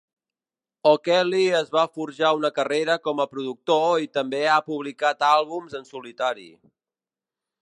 O'Kelly es va forjar una carrera com a productor i també ha publicat àlbums en solitari.